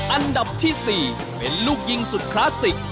อันดับที่๔เป็นลูกยิงสุดคลาสสิก